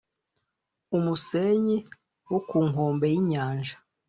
umusenyi wo ku nkombe y inyanja